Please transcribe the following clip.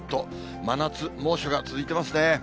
真夏、猛暑が続いてますね。